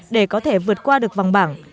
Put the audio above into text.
để có thể vượt qua được vòng bảng